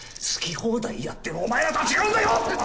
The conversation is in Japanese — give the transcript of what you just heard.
好き放題やってるお前らとは違うんだよ！